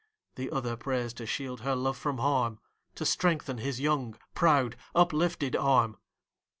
The other prays to shield her love from harm, To strengthen his young, proud uplifted arm.